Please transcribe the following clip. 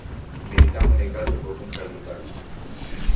Meritam un egal după cum s-a jucat.